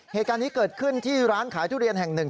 เหตุการณ์นี้เกิดขึ้นที่ร้านขายทุเรียนแห่งหนึ่ง